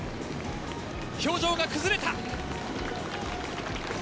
表情が崩れた。